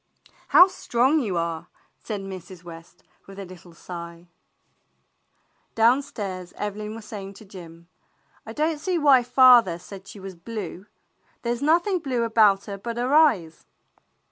"How strong you are !" said Mrs. West, with a little sigh. Downstairs Evelyn was saying to Jim: "I don't see why father said she was blue. There's nothing blue about her but her eyes."